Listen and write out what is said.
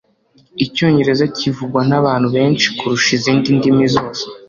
icyongereza kivugwa nabantu benshi kurusha izindi ndimi zose